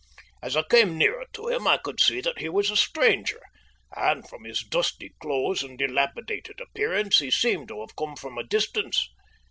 As I came nearer to him I could see that he was a stranger, and from his dusty clothes and dilapidated appearance he seemed to have come from a distance.